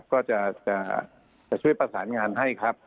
ก็จะช่วยประสานงานให้ครับ